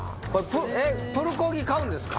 プルコギ買うんですか？